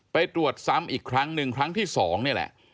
ไปตรวจซ้ำอีกครั้งหนึ่งครั้งที่๒นี่แหละ